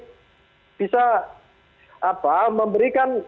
jadi bisa memberikan